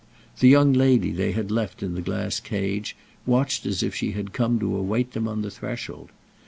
The young lady they had left in the glass cage watched as if she had come to await them on the threshold.